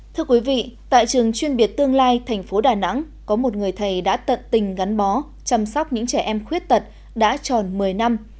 thưa quý vị tại trường chuyên biệt tương lai thành phố đà nẵng có một người thầy đã tận tình gắn bó chăm sóc những trẻ em khuyết tật đã tròn một mươi năm